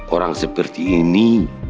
orang seperti ini